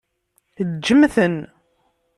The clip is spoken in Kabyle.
Ǧǧem-ten.